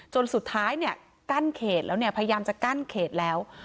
จนสุดท้ายกั้นเขตแล้วพยายามจะกั้นเขตแล้ว